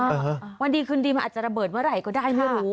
วันดีคืนดีมันอาจจะระเบิดเมื่อไหร่ก็ได้ไม่รู้